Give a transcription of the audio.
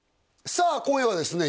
さあ今夜はですね